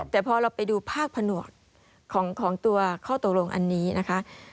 แต่พอเราไปดูภาคผนวกของตัวข้อตกลงอันนี้นะคะ